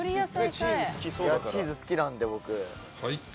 チーズ好きなんで僕。